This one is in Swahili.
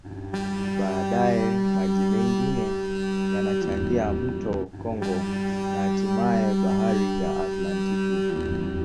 Baadaye, maji mengine yanachangia mto Kongo na hatimaye Bahari ya Atlantiki.